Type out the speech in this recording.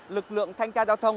lực lượng thanh tra giao thông